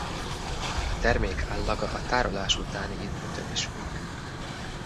A termék állaga a tárolás utáni időtől is függ.